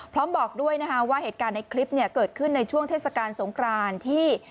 บอกด้วยนะคะว่าเหตุการณ์ในคลิปเกิดขึ้นในช่วงเทศกาลสงครานที่